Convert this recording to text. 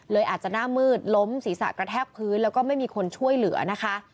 อาจจะหน้ามืดล้มศีรษะกระแทกพื้นแล้วก็ไม่มีคนช่วยเหลือนะคะ